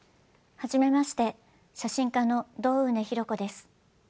初めまして写真家の堂畝紘子です。